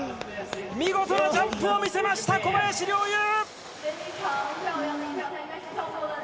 見事なジャンプを見せました小林陵侑！